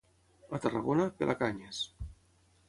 A Tarragona, pelacanyes.